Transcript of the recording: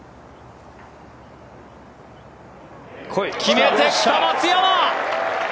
決めてきた松山！